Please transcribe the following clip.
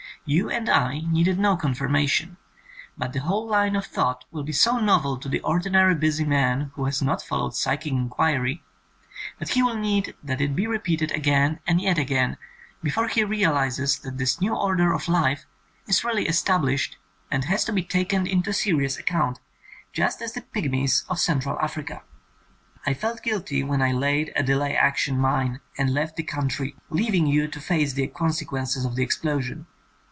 You and I needed no confirmation, but the whole line of thought will be so novel to the ordinary busy man who has not followed psychic in quiry, that he will need that it be repeated again and yet again before he realizes that this new order of life is really established and has to be taken into serious account, just as the pigmies of Central Africa. I felt guilty when I laid a delay action mine and left the country, leaving you to face the consequences of the explosion.